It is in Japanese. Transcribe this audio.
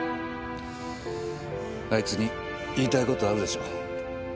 あいつに言いたい事あるでしょ。